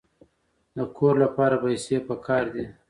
د کور لپاره پیسې پکار دي.